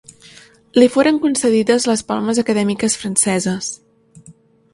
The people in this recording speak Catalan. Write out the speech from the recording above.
Li foren concedides les Palmes Acadèmiques franceses.